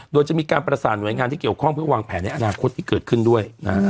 โดยจะมีการประสานหน่วยงานที่เกี่ยวข้องเพื่อวางแผนในอนาคตที่เกิดขึ้นด้วยนะฮะ